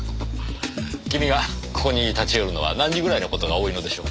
君がここに立ち寄るのは何時ぐらいの事が多いのでしょう？